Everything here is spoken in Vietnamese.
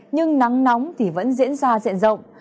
nhưng nắng nóng thì vẫn diễn ra diện rộng